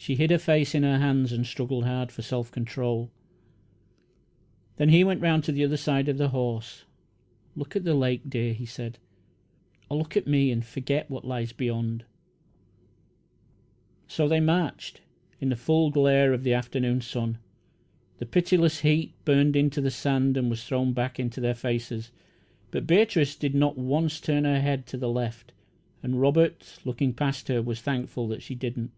She hid her face in her hands and struggled hard for self control. Then he went around to the other side of the horse. "Look at the lake, dear," he said; "or look at me and forget what lies beyond." So they marched, in the full glare of the afternoon sun. The pitiless heat burned into the sand and was thrown back into their faces. But Beatrice did not once turn her head to the left, and Robert, looking past her, was thankful that she did not.